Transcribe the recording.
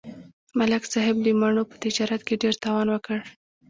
ملک صاحب د مڼو په تجارت کې ډېر تاوان وکړ